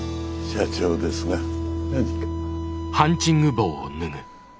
社長ですが何か？